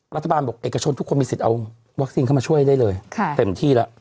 โดยกับกระชนทุกคนมีสิทธิ์เอาวัคซีนเขามาช่วยได้เลยเต็มที่ละ